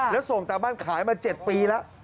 แล้วส่งตามบ้านขายมา๗ปีแล้ว